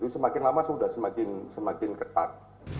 semakin lama sudah semakin ketat